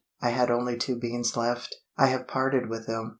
I had only two beans left. I have parted with them.